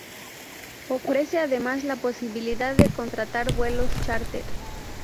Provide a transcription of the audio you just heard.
Ofrece además la posibilidad de contratar vuelos chárter.